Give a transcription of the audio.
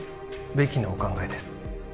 ベキのお考えです